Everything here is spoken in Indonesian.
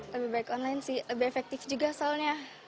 lebih baik online sih lebih efektif juga soalnya